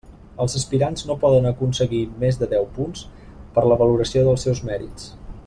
Els aspirants no poden aconseguir més de deu punts per la valoració dels seus mèrits.